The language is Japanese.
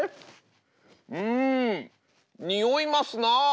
フームにおいますなあ。